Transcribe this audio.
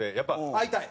会いたい？